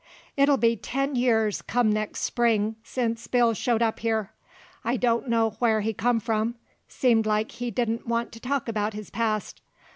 It'll be ten years come nex' spring sence Bill showed up here. I don't know whar he come from; seemed like he didn't want to talk about his past.